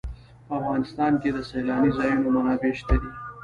په افغانستان کې د سیلاني ځایونو منابع شته دي.